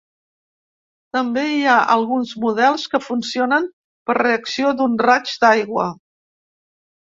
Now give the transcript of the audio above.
També hi ha alguns models que funcionen per reacció d'un raig d'aigua.